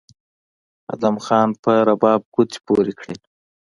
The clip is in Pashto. ادم خان په رباب ګوتې پورې کړې